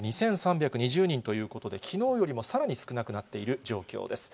２３２０人ということで、きのうよりもさらに少なくなっている状況です。